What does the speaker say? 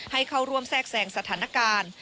ให้เข้าร่วมแทรกแซงสถานการณ์